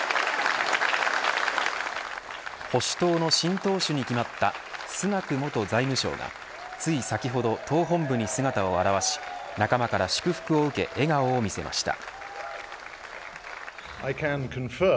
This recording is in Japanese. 保守党の新党首になったスナク元財務相がつい先ほど、党本部に姿を現し仲間から祝福を受け笑顔を見せました。